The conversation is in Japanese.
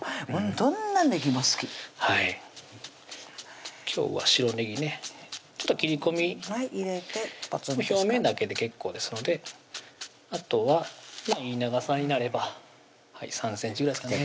どんなねぎも好きはい今日は白ねぎね切り込み入れて表面だけで結構ですのであとはいい長さになれば３ｃｍぐらいですかね